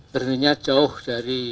pernikah jauh dari